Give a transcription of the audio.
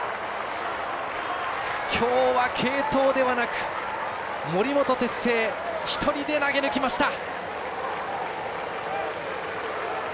きょうは継投ではなく森本哲星１人で投げ抜きました。